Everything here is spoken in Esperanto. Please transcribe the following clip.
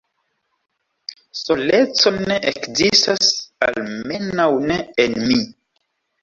Soleco ne ekzistas, almenaŭ ne en mi.